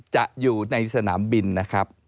จะอยู่ในสนามบินนะครับ